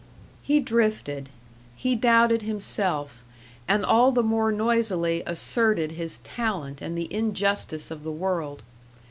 He drifted. He doubted himself, and all the more noisily asserted his talent and the injustice of the world.